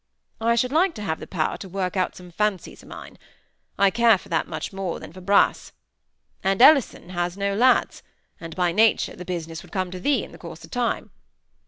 I should like to have the power to work out some fancies o' mine. I care for that much more than for th' brass. And Ellison has no lads; and by nature the business would come to thee in course o' time.